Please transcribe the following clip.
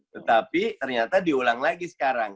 tetapi ternyata diulang lagi sekarang